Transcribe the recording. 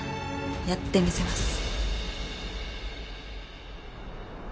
やってみせます。